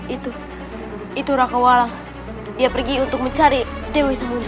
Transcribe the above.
itu itu raka walang dia pergi untuk mencari dewi semudera